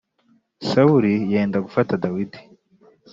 Sawuli yenda gufata Dawidi.